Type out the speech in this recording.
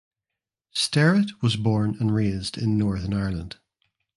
Sterritt was born and raised in Northern Ireland.